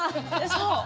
そう！